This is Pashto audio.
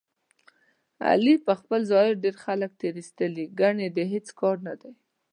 علي په خپل ظاهر ډېر خلک تېر ایستلي، ګني د هېڅ کار نه دی.